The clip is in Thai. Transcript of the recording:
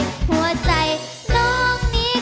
เธอเป็นผู้สาวขาเลียน